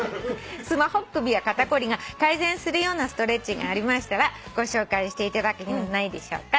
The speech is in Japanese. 「スマホっ首や肩凝りが改善するようなストレッチがありましたらご紹介していただけないでしょうか」